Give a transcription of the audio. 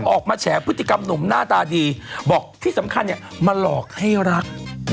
แฉพฤติกรรมหนุ่มหน้าตาดีบอกที่สำคัญเนี่ยมาหลอกให้รัก